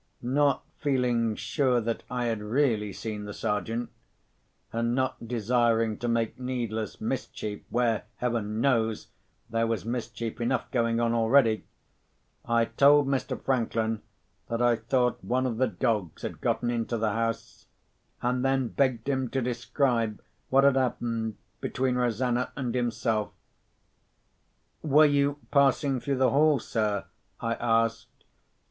Not feeling sure that I had really seen the Sergeant—and not desiring to make needless mischief, where, Heaven knows, there was mischief enough going on already—I told Mr. Franklin that I thought one of the dogs had got into the house—and then begged him to describe what had happened between Rosanna and himself. "Were you passing through the hall, sir?" I asked.